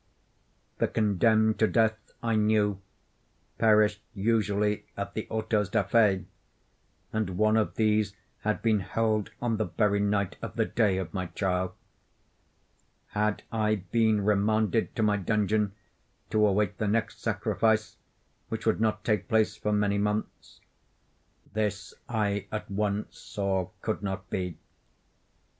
The condemned to death, I knew, perished usually at the autos da fe, and one of these had been held on the very night of the day of my trial. Had I been remanded to my dungeon, to await the next sacrifice, which would not take place for many months? This I at once saw could not be.